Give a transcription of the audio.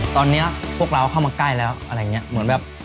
ตอนนี้พวกเราเข้ามาใกล้แล้ว